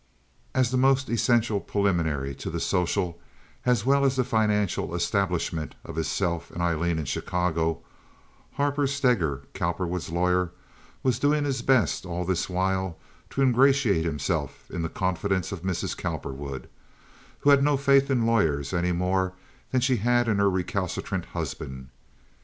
As the most essential preliminary to the social as well as the financial establishment of himself and Aileen in Chicago, Harper Steger, Cowperwood's lawyer, was doing his best all this while to ingratiate himself in the confidence of Mrs. Cowperwood, who had no faith in lawyers any more than she had in her recalcitrant husband.